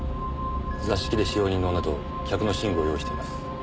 座敷で使用人の女と客の寝具を用意しています。